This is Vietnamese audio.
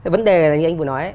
vấn đề là như anh vừa nói